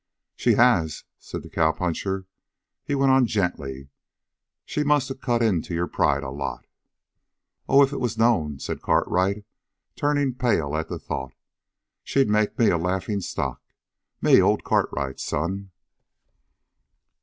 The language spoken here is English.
"She has," said the cowpuncher. He went on gently: "She must of cut into your pride a lot." "Oh, if it was known," said Cartwright, turning pale at the thought, "she'd make me a laughing stock! Me, old Cartwright's son!"